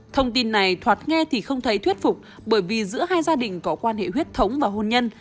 thông tin này thoạt nghe thì không thấy thuyết phục bởi vì giữa hai gia đình có quan hệ huyết thống và hôn nhân